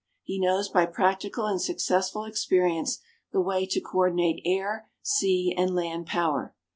He knows by practical and successful experience the way to coordinate air, sea and land power.